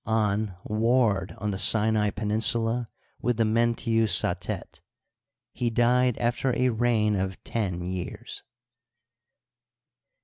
An warred on the Sinai peninsula with the Mentiu Satet. He died after a reign of ten years.